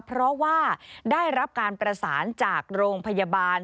เพราะว่าได้รับการประสานจากโรงพยาบาล